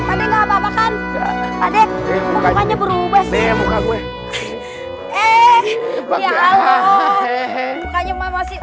ada ngapain adek bekanya berubah muka gue eh ya allah makanya masih